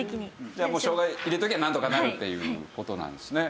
じゃあしょうが入れときゃなんとかなるっていう事なんですね。